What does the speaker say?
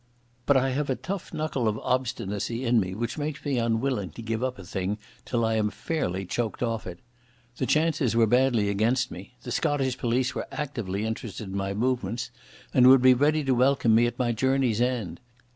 But I have a tough knuckle of obstinacy in me which makes me unwilling to give up a thing till I am fairly choked off it. The chances were badly against me. The Scottish police were actively interested in my movements and would be ready to welcome me at my journey's end.